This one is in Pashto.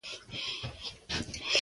د کتلو لپاره یې راوړې وه.